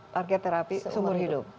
target terapi seumur hidup